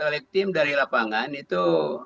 oleh tim dari lapangan itu